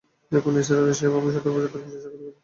দেখুন নিসার আলি সাহেব, আমি সতের বছর ধরে পুলিশে চাকরি করছি।